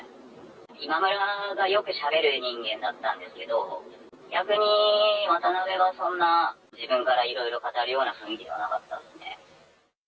今村がよくしゃべる人間だったんですけど、逆に渡辺はそんな、自分からいろいろ語るような雰囲気ではなかったですね。